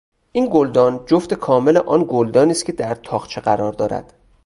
این گلدان جفت کامل آن گلدانی است که در تاقچه قرار دارد.